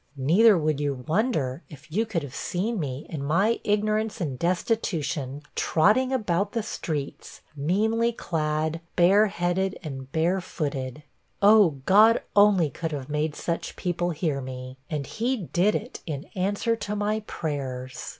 'Neither would you wonder, if you could have seen me, in my ignorance and destitution, trotting about the streets, meanly clad, bare headed, and bare footed! Oh, God only could have made such people hear me; and he did it in answer to my prayers.'